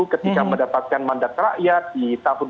ketika mendapatkan mandat rakyat di tahun dua ribu